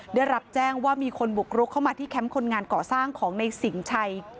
ได้รับแจ้งว่ามีคนบุกรุกเข้ามาที่แคมป์คนงานก่อสร้างของในสิงชัย